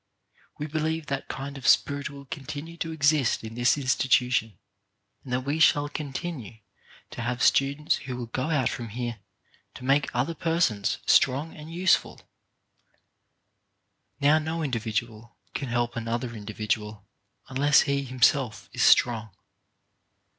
We believe that kind of spirit will con tinue to exist in this institution, and that we shall continue to have students who will go out from here to make other persons strong and useful. HELPING OTHERS 13 Now no individual can help another individual unless he himself is strong.